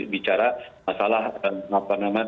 bicara masalah apa namanya